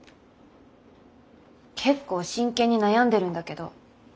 結構真剣に悩んでるんだけど。